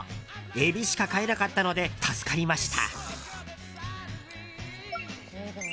エビしか買えなかったので助かりました。